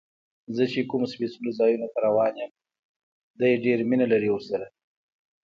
زه چې کوم سپېڅلو ځایونو ته روان یم، دې ډېر مینه لري ورسره.